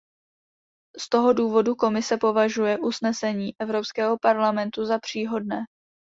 Z toho důvodu Komise považuje usnesení Evropského parlamentu za příhodné.